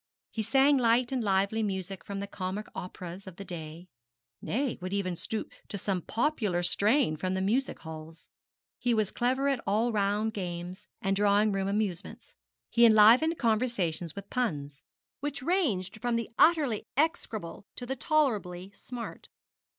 He sang light and lively music from the comic operas of the day, nay, would even stoop to some popular strain from the music halls. He was clever at all round games and drawing room amusements. He enlivened conversation with puns, which ranged from the utterly execrable to the tolerably smart.